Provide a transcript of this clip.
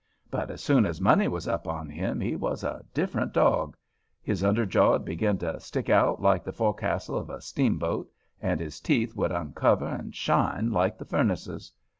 But as soon as money was up on him he was a different dog; his under jaw'd begin to stick out like the fo' castle of a steamboat, and his teeth would uncover and shine like the furnaces.